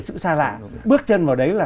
sự xa lạ bước chân vào đấy là